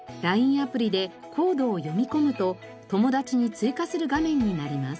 アプリでコードを読み込むと友だちに追加する画面になります。